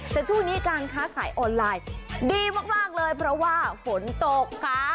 แต่ช่วงนี้การค้าขายออนไลน์ดีมากเลยเพราะว่าฝนตกค่ะ